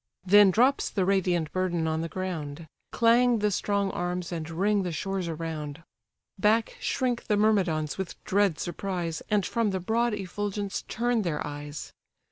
Then drops the radiant burden on the ground; Clang the strong arms, and ring the shores around; Back shrink the Myrmidons with dread surprise, And from the broad effulgence turn their eyes.